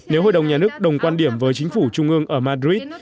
nếu hội đồng nhà nước đồng quan điểm với chính phủ trung ương ở madrid